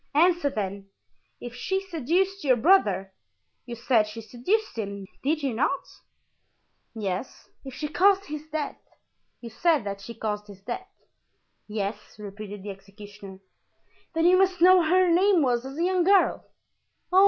"Answer, then. If she seduced your brother—you said she seduced him, did you not?" "Yes." "If she caused his death—you said that she caused his death?" "Yes," repeated the executioner. "Then you must know what her name was as a young girl."